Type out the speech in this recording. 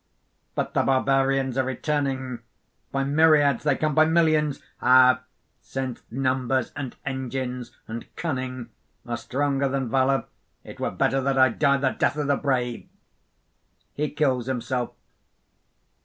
"But the Barbarians are returning; by myriads they come, by millions! Ah! since numbers, and engines, and cunning are stronger than valour, it were better that I die the death of the brave!" (_He kills himself.